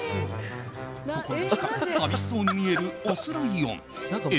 心なしか寂しそうに見えるオスライオン。